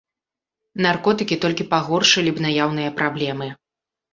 Наркотыкі толькі пагоршылі б наяўныя праблемы.